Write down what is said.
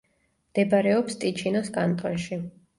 მდებარეობს ტიჩინოს კანტონში.